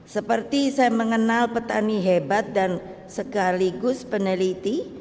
seperti saya mengenal petani hebat dan sekaligus peneliti